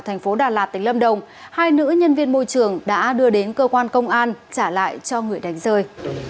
thành phố đà lạt tỉnh lâm đồng hai nữ nhân viên môi trường đã đưa đến cơ quan công an trả lại cho người đánh rơi